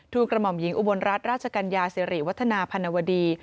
กระหม่อมหญิงอุบลรัฐราชกัญญาสิริวัฒนาพันวดี